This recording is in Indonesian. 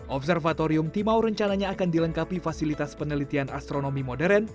observatorium timau rencananya akan dilengkapi fasilitas penelitian astronomi modern